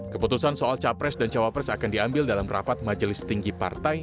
keputusan soal capres dan cawapres akan diambil dalam rapat majelis tinggi partai